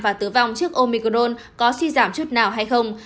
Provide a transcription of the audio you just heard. và tử vong trước omicron có suy giảm chút nào hay không